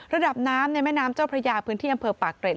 ระดับน้ำในแม่น้ำเจ้าพระยาพื้นที่อำเภอปากเกร็ด